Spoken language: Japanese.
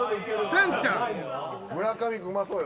村上君うまそうよ